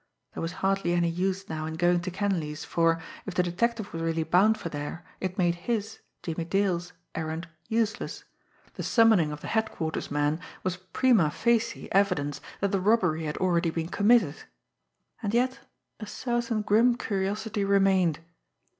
There was hardly any use now in going to Kenleigh's, for, if the detective was really bound for there, it made his, Jimmie Dale's, errand useless the summoning of the Headquarters' man was prima facie evidence that the robbery had already been committed. And yet a certain grim curiosity remained.